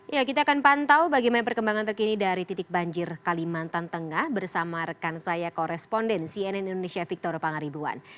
ya kita akan pantau bagaimana perkembangan terkini dari titik banjir kalimantan tengah bersama rekan saya koresponden cnn indonesia victor pangaribuan